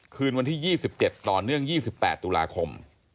คืนวันที่๒๗ต่อเนื่อง๒๘ตุลาคม